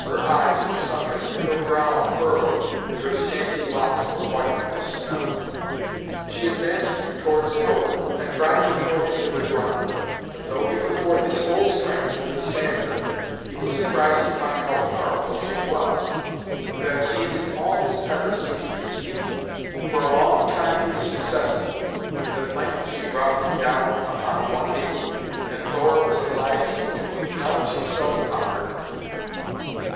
Her eyes were sunken, her brow furrowed, and her scanty locks were white as snow. She advanced towards Thor, and tried to throw him to the ground; but though he put forth his whole strength to withstand her, he was surprised to find how powerful she was, and that it needed all his efforts to keep his feet. For a long time he was successful, but at length she brought him down upon one knee, and Thor was obliged to acknowledge himself conquered.